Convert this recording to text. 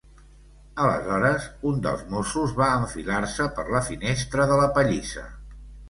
Aleshores un dels mossos va enfilar-se per la finestra de la pallissa.